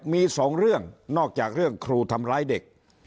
มีสองเรื่องนอกจากเรื่องครูทำร้ายเด็ก